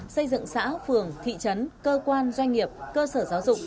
xây dựng xã phường thị trấn cơ quan doanh nghiệp cơ sở giáo dục